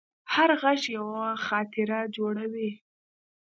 هر غږ یوه خاطره جوړوي.